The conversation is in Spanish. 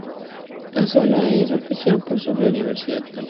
La zona es apreciada por su biodiversidad avícola.